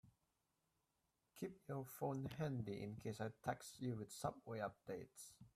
Keep your phone handy in case I text you with subway updates.